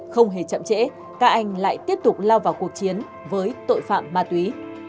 không hề chậm trễ các anh lại tiếp tục lao vào cuộc chiến với tội phạm ma túy